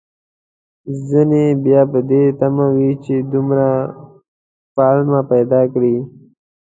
ځينې بيا په دې تمه وي، چې دومره پلمه پيدا کړي